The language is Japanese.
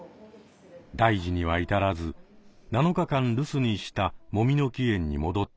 大事には至らず７日間留守にしたもみの木苑に戻ってきました。